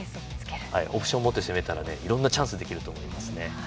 オプションを持って攻めたらいろんなチャンスできると思います。